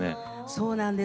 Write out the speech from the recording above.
そうなんですよね。